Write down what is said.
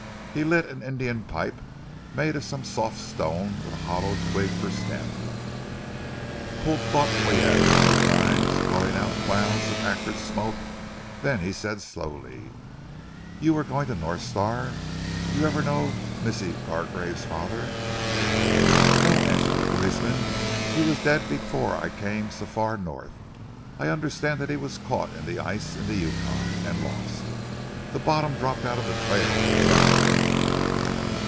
He lit an Indian pipe made of some soft stone with a hollowed twig for stem, pulled thoughtfully at it a few times, blowing out clouds of acrid smoke, then he said slowly, "You were going to North Star? You ever know Missi Gargrave's father?" "No!" answered the policeman. "He was dead before I came so far North. I understand that he was caught in the ice in the Yukon and lost. The bottom dropped out of the trail or something."